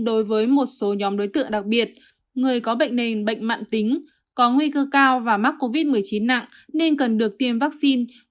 đối với một số nhóm đối tượng đặc biệt người có bệnh nền bệnh mạng tính có nguy cơ cao và mắc covid một mươi chín nặng nên cần được tiêm vaccine